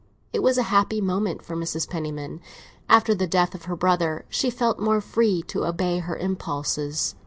This was a happy moment for Mrs. Penniman; after the death of her brother she felt more free to obey her impulses.